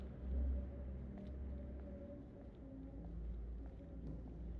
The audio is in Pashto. دوی د ذکر شويو شپږو پړاوونو پر سموالي نه دي پوهېدلي.